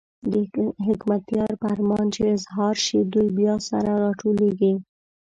د حکمتیار فرمان چې اظهار شي، دوی بیا سره راټولېږي.